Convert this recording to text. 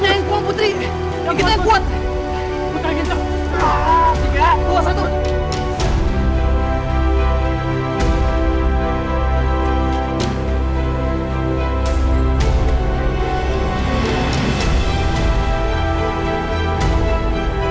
enggak sama sekali sudah